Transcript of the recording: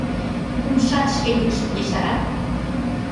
Кумшат шке йӱкшым ешара: